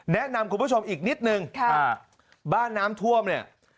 แนะนำคุณผู้ชมอีกนิดนึงบ้านน้ำท่วมเนี่ย